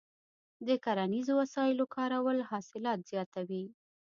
د کرنیزو وسایلو کارول حاصلات زیاتوي.